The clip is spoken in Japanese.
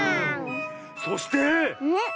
そして！